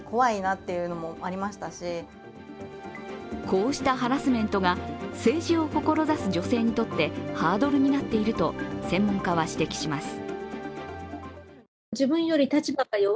こうしたハラスメントが政治を志す女性にとってハードルになっていると専門家は指摘します。